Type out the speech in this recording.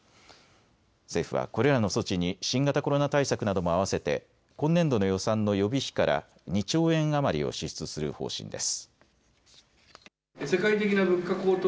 政府はこれらの措置に新型コロナ対策などもあわせて今年度の予算の予備費から２兆円余りを支出する方針です。